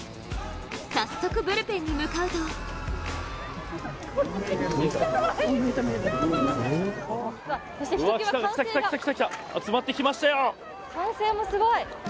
早速、ブルペンに向かうと歓声もすごい。